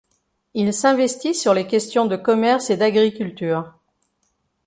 Il s'investit sur les questions de commerce et d'agriculture.